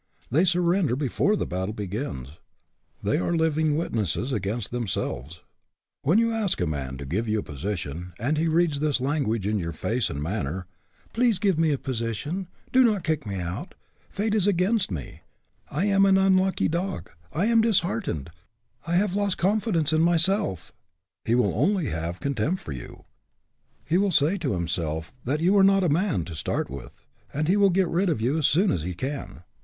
They surrender before the battle begins. They are living witnesses against themselves. When you ask a man to give you a position, and he reads this language in your face and manner, " Please give me a position ; do not kick me out; fate is against me; I am an unlucky dog; I am disheartened; I have lost confidence in myself," he will only have con tempt for you ; he will say to himself that you are not a man, to start with, and he will get rid of you as soon as he can.